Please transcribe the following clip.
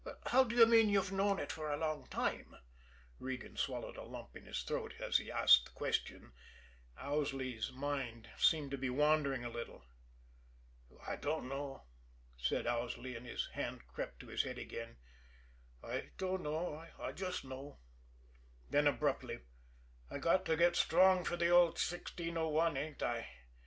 "How do you mean you've known it for a long time?" Regan swallowed a lump in his throat, as he asked the question Owsley's mind seemed to be wandering a little. "I dunno," said Owsley, and his hand crept to his head again. "I dunno I just know." Then abruptly: "I got to get strong for the old 1601, ain't I?